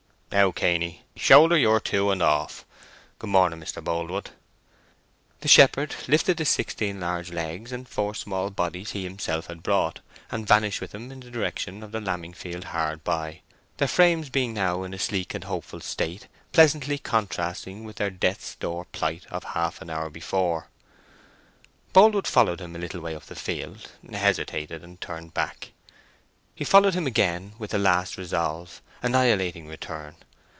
"Now, Cainy, shoulder your two, and off. Good morning, Mr. Boldwood." The shepherd lifted the sixteen large legs and four small bodies he had himself brought, and vanished with them in the direction of the lambing field hard by—their frames being now in a sleek and hopeful state, pleasantly contrasting with their death's door plight of half an hour before. Boldwood followed him a little way up the field, hesitated, and turned back. He followed him again with a last resolve, annihilating return.